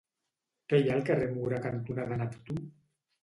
Què hi ha al carrer Mura cantonada Neptú?